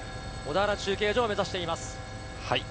小田原中継所を目指しています。